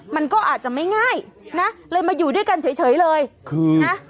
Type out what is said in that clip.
มันก็อาจจะไม่ง่ายนะเลยมาอยู่ด้วยกันเฉยเลยนะ